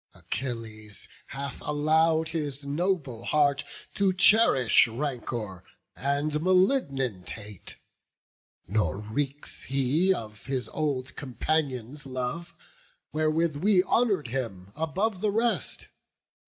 Achilles hath allow'd his noble heart To cherish rancour and malignant hate; Nor reeks he of his old companions' love, Wherewith we honour'd him above the rest.